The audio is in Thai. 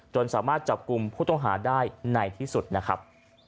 สามารถจับกลุ่มผู้ต้องหาได้ในที่สุดนะครับ